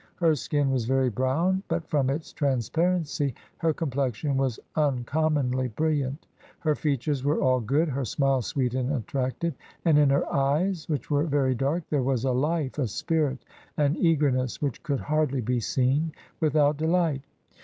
... Her skin was very brown, but from its transparency, her com plexion was imcommonly brilliant; her features were all good ; her smile sweet and attractive, and in her eyes, which were very .dark, there was a life, a spirit, an eager ness, which could hardly be seen without delight.''